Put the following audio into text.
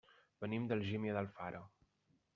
Venim d'Algímia d'Alfara.